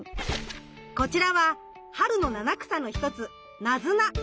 こちらは春の七草の一つナズナ。